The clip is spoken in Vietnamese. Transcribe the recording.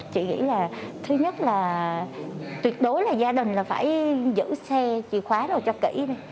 chị nghĩ là thứ nhất là tuyệt đối là gia đình phải giữ xe chìa khóa đồ cho kỹ